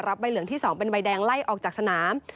ใบเหลืองที่๒เป็นใบแดงไล่ออกจากสนาม